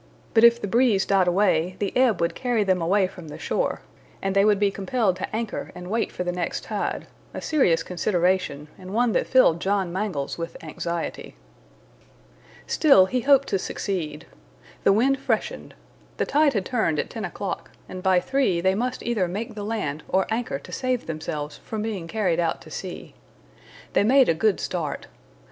But if the breeze died away, the ebb would carry them away from the shore, and they would be compelled to anchor and wait for the next tide, a serious consideration, and one that filled John Mangles with anxiety. Still he hoped to succeed. The wind freshened. The tide had turned at ten o'clock, and by three they must either make the land or anchor to save themselves from being carried out to sea. They made a good start.